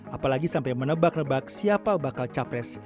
apalagi sampai menebak nebak siapa bakal capres